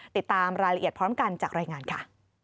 ติดตามรายละเอียดพร้อมกันจากรายงานค่ะ